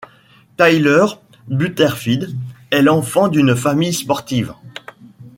Tyler Butterfield est l'enfant d'une famille sportive.